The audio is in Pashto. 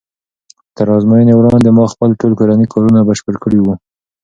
تر ازموینې وړاندې ما خپل ټول کورني کارونه بشپړ کړي وو.